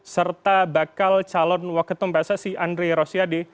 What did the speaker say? serta bakal calon wakil ketum pssi andri rosiade